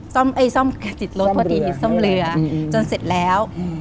ซ่อมเอ้ยซ่อมจิตรถโทษทีซ่อมเรือจนเสร็จแล้วอืม